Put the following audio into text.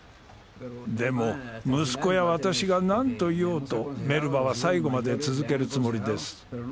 でも息子や私が何と言おうとメルバは最後まで続けるつもりです。